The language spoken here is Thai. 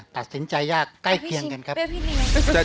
ตัดสินใจยากใกล้เคียงกันครับ